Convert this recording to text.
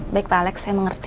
baik pak alex saya mengerti